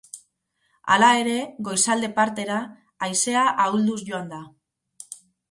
Hala ere, goizalde partera haizea ahulduz joan da.